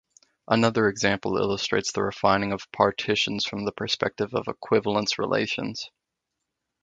Another example illustrates the refining of partitions from the perspective of equivalence relations.